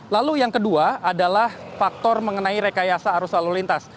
lalu yang kedua adalah faktor mengenai rekayasa arus lalu lintas